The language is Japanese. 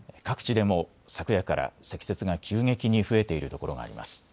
各地でも昨夜から積雪が急激に増えているところがあります。